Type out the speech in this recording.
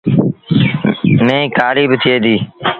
ميݩهن ڪآريٚ با ٿئي ديٚ ۔